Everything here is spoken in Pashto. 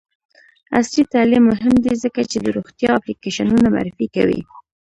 عصري تعلیم مهم دی ځکه چې د روغتیا اپلیکیشنونه معرفي کوي.